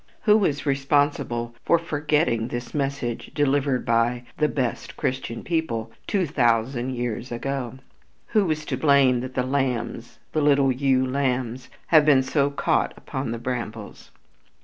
Who is responsible for forgetting this message delivered by the "best Christian people" two thousand years ago? Who is to blame that the lambs, the little ewe lambs, have been so caught upon the brambles?